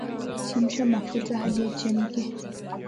chemsha mafuta hadi yachemke